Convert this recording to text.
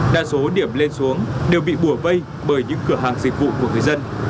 đa số điểm lên xuống đều bị bùa vây bởi những cửa hàng dịch vụ của người dân